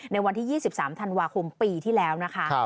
ในวันที่๒๓ธันวาคมปีที่แล้วนะคะ